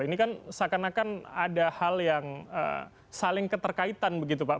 ini kan seakan akan ada hal yang saling keterkaitan begitu pak